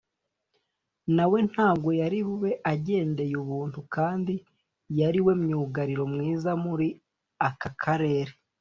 na we ntabwo yari bube agendeye ubuntu kandi yari we myugariro mwiza muri aka karere